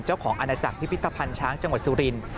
อาณาจักรพิพิธภัณฑ์ช้างจังหวัดสุรินทร์